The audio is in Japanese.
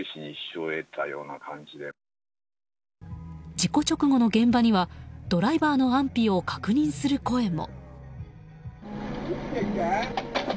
事故直後の現場にはドライバーの安否を確認する声も。